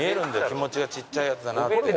気持ちがちっちゃいヤツだなって。